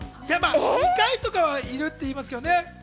２回とかはいるって言いますけどね。